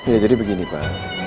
ya jadi begini pak